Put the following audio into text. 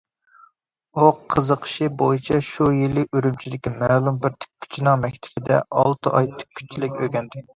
ئۇ قىزىقىشى بويىچە شۇ يىلى ئۈرۈمچىدىكى مەلۇم بىر تىككۈچىلىك مەكتىپىدە ئالتە ئاي تىككۈچىلىك ئۆگەندى.